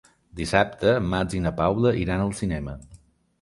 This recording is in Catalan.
Dissabte en Max i na Paula iran al cinema.